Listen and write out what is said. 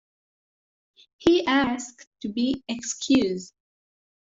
He asked to be excused